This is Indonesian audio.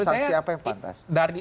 saksi apa yang pantas